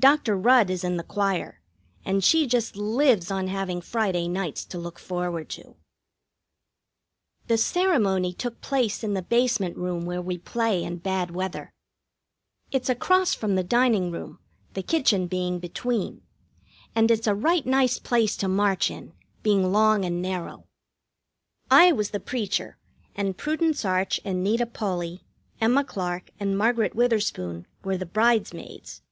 Dr. Rudd is in the choir, and she just lives on having Friday nights to look forward to. The ceremony took place in the basement room where we play in bad weather. It's across from the dining room, the kitchen being between, and it's a right nice place to march in, being long and narrow. I was the preacher, and Prudence Arch and Nita Polley, Emma Clark and Margaret Witherspoon were the bridesmaids.